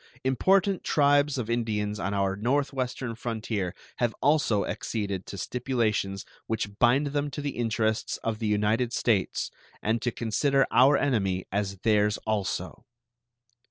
Important tribes of Indians on our northwestern frontier have also acceded to stipulations which bind them to the interests of the United States and to consider our enemy as theirs also.